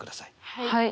はい。